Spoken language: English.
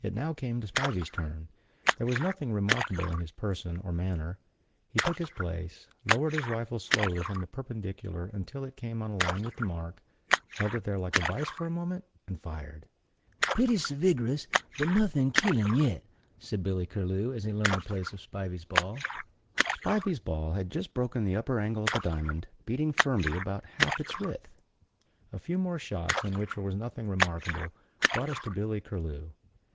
It now came to Spivey's turn. There was nothing remarkable in his person or manner. He took his place, lowered his rifle slowly from a perpendicular until it came on a line with the mark, held it there like a vice for a moment and fired. "Pretty sevigrous, but nothing killing yet," said Billy Curlew, as he learned the place of Spivey's ball. Spivey's ball had just broken the upper angle of the diamond; beating Firmby about half its width. A few more shots, in which there was nothing remarkable, brought us to Billy Curlew.